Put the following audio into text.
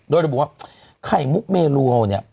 โดยจะบอกว่าใครมุกเมโรเนี่ย